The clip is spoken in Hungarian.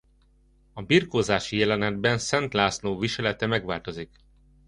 A birkózási jelenetben Szent László viselete megváltozik.